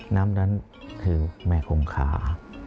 น้ำนั้นคือแม่คงขา